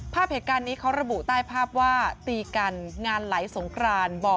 ไปดูคลิปกันเลยค่ะ